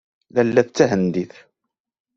Lalla-a d tahendit.